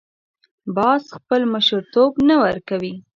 باز خپل مشرتوب نه ورکوي